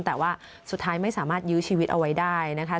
แต่ว่าสุดท้ายไม่สามารถยื้อชีวิตเอาไว้ได้นะคะ